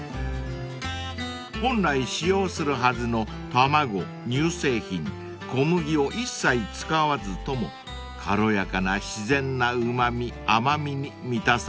［本来使用するはずの卵乳製品小麦を一切使わずとも軽やかな自然なうま味甘味に満たされます］